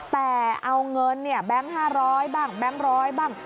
แต่เอาเงินแบงค์๕๐๐บ้างแบงค์๑๐๐บ้าง